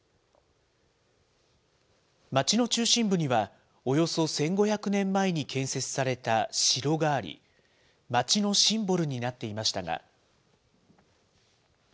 街の中心部には、およそ１５００年前に建設された城があり、街のシンボルになっていましたが。